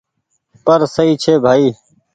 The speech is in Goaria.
پر سئي ڇي ڀآئي ۔